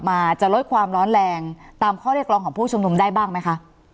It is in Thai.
มาจะลดความร้อนแรงตามข้อเรียกร้องของผู้ชุมนุมได้บ้างไหมคะ